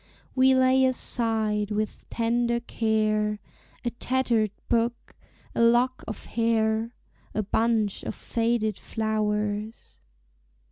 We lay aside with tender care A tattered book, a lock of hair, A bunch of faded flowers.